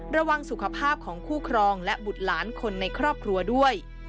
ระวังสุขภาพของคู่ครองและบุตรหลานคนในครอบครัวด้วย